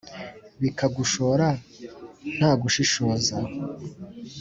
Bikagushora ntagushishoza